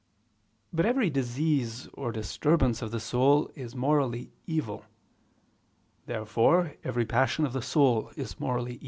But every disease or disturbance of the soul is morally evil. Therefore every passion of the soul is evil morally.